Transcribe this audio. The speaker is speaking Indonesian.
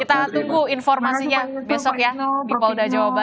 kita tunggu informasinya besok ya di polda jawa barat